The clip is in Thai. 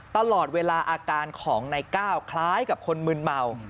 ตลอดเวลาอาการของนายก้าวคล้ายกับคนมืนเมา